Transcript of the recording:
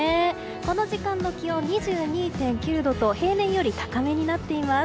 この時間の気温２２．９度と平年より高めになっています。